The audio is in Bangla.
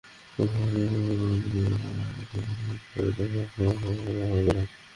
পবিত্র রমজান মাসের শুরু থেকেই রাজধানী ঢাকার কোনো কোনো এলাকায় কিছুটা গ্যাসসংকট ছিল।